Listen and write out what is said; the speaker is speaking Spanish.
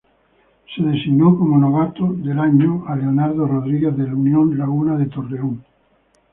Se designó como novato del año a Leonardo Rodríguez del Unión Laguna de Torreón.